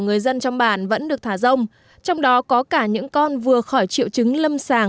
người dân trong bản vẫn được thả rông trong đó có cả những con vừa khỏi triệu chứng lâm sàng